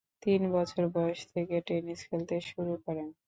তিন বছর বয়স থেকে টেনিস খেলতে শুরু করেন।